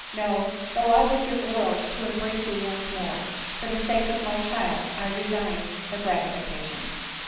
No ;— though I would give worlds to embrace you once more, for the sake of my child I resign the gratification.